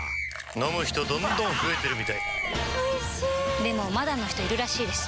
飲む人どんどん増えてるみたいおいしでもまだの人いるらしいですよ